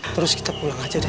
terus kita pulang aja deh